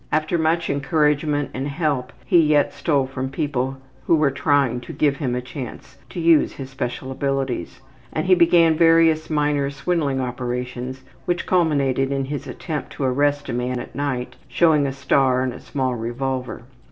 After much encouragement and help he yet stole from people who were trying to give him a chance to use his special abilities, and he began various minor swindling operations which culminated in his attempt to arrest a man at night, showing a star and a small revolver.